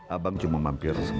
abang cuma mampir sebentar kok